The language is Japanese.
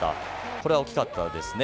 これは大きかったですね。